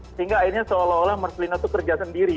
sehingga akhirnya seolah olah marcelino itu kerja sendiri